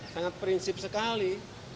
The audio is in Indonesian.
sangat prinsip sekali